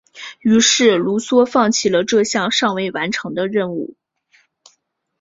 于是卢梭放弃了这项尚未完成的任务。